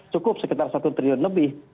cukup sekitar satu triliun lebih